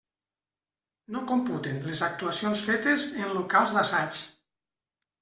No computen les actuacions fetes en locals d'assaig.